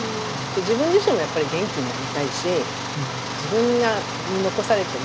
自分自身もやっぱり元気になりたいし自分に残されてる